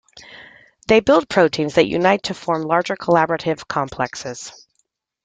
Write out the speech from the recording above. They build proteins that unite to form larger collaborative complexes.